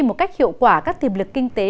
một cách hiệu quả các tiềm lực kinh tế